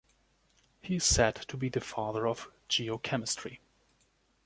He is said to be the father of geochemistry.